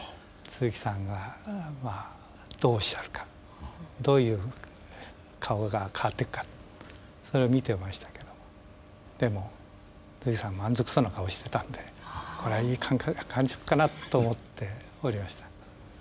都築さんがまあどうおっしゃるかどう顔が変わっていくかそれを見てましたけどもでも都築さん満足そうな顔をしてたんでこれはいい感触かなと思っておりました。